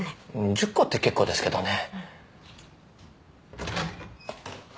１０個って結構ですけどね。